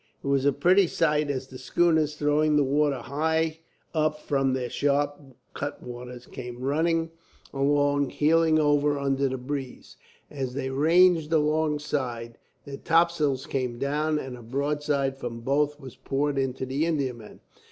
It was a pretty sight as the schooners, throwing the water high up from their sharp cut waters, came running along, heeling over under the breeze. As they ranged alongside, their topsails came down, and a broadside from both was poured into the Indiaman.